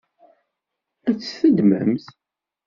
Ad tt-teddmemt?